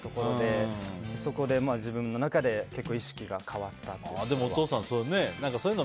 そこで自分の中で結構、意識が変わったという。